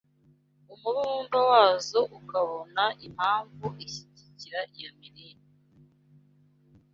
umururumba wazo ukabona impamvu ishyigikira iyo mirire.